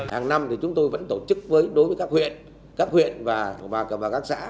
hàng năm thì chúng tôi vẫn tổ chức với đối với các huyện các huyện và các xã